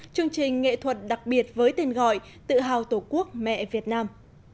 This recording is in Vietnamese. chương trình nghệ thuật đặc biệt với tên gọi tự hào tổ quốc mẹ việt nam